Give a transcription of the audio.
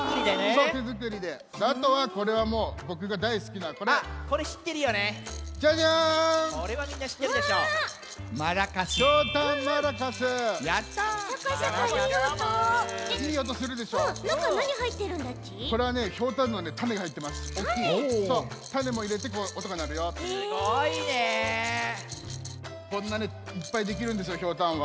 そうこんなにいっぱいできるんですよひょうたんは。